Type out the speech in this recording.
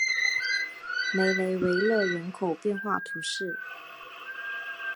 梅雷维勒人口变化图示